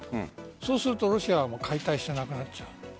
そうするとロシアは解体してなくなっちゃう。